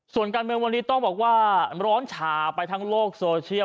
ส่วนการเมืองวันนี้ต้องบอกว่าร้อนฉาไปทั้งโลกโซเชียล